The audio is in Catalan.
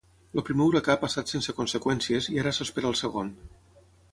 El primer huracà ha passat sense conseqüències i ara s'espera el segon.